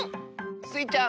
スイちゃん！